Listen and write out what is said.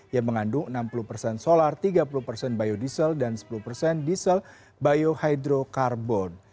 yang mengandung enam puluh solar tiga puluh biodiesel dan sepuluh diesel biohydrokarbon